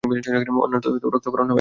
অন্যথায় রক্তক্ষরণ হবে।